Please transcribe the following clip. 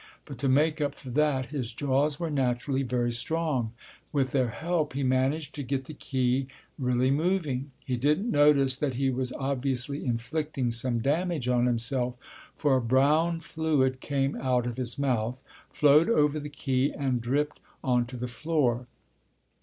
But to make up for that his jaws were naturally very strong; with their help he managed to get the key really moving. He didn't notice that he was obviously inflicting some damage on himself, for a brown fluid came out of his mouth, flowed over the key, and dripped onto the floor.